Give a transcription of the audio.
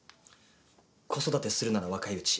子育てするなら若いうち。